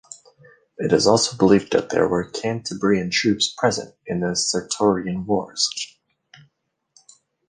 It is also believed that there were Cantabrian troops present in the Sertorian Wars.